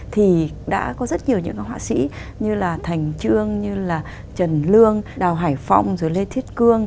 thì đã có rất nhiều những họa sĩ như là thành trương như là trần lương đào hải phong rồi lê thiết cương